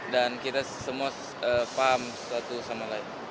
dan kita semua paham satu sama lain